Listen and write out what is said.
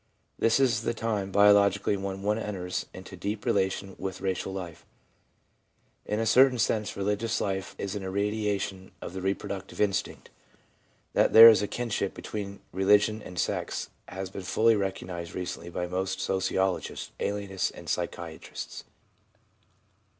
This is the time biologically when one enters into deep relation with racial life. In a certain sense the religious life is an irradiation of the reproductive instinct. That there is a kinship between religion and sex has been fully recognised recently by most sociologists, alienists and psychologists.